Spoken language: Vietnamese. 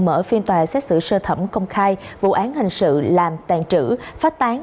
mở phiên tòa xét xử sơ thẩm công khai vụ án hình sự làm tàn trữ phát tán